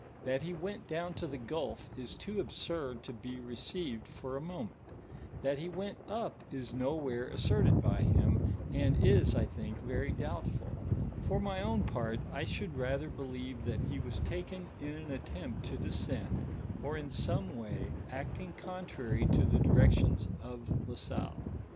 That he went down to the gul( is too absurd to be received for a moment ; that he went up is nowhere asserted by him, an4 i», I think, very doubtful. For my own part; I should rather believe that he was taken in an attempt to descend, or in some way acting contrary to the directions of La Salle.